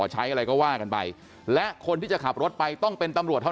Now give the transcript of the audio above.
ใช้อะไรก็ว่ากันไปและคนที่จะขับรถไปต้องเป็นตำรวจเท่า